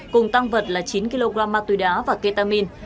cùng tăng vật là chín kg ma túy đá và ketamin